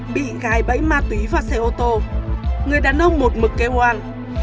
bị gài bẫy ma túy vào xe ô tô người đàn ông một mực kêu oan